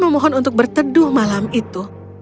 memohon untuk berteduh malam itu